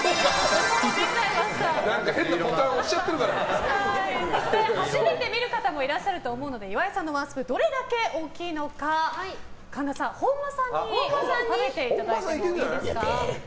そして初めて見る方もいらっしゃると思うので岩井さんのワンスプーンどれだけ大きいのか神田さん、本間さんに食べていただいてもいいですか。